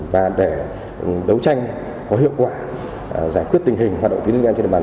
và để đấu tranh có hiệu quả giải quyết tình hình hoạt động tiến dụng nhân trên địa bàn